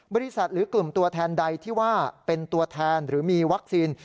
หรือกลุ่มตัวแทนใดที่ว่าเป็นตัวแทนหรือมีวัคซีน